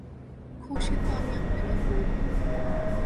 খুশি তো আমি আপনাকে করবো।